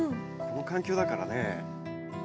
この環境だからね。